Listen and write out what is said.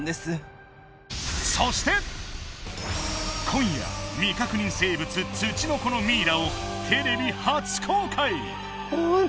今夜未確認生物ツチノコのミイラをテレビ初公開！